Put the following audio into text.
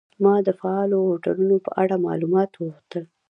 ما د فعالو هوټلونو په اړه معلومات وغوښتل.